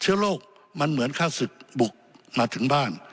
เชื้อโรคมันเหมือนฆ่าศึกบุกมาถึงบ้าน